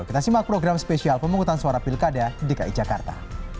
kita simak program spesial pemungutan suara pilkada dki jakarta